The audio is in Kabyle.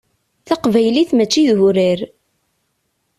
Taqbaylit mačči d urar.